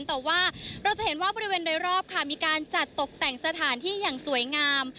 แต่ว่าเราจะเห็นว่าบริเวณโดยรอบค่ะมีการจัดตกแต่งสถานที่อย่างสวยงาม